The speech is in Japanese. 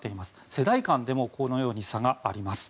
世代間でもこのように差があります。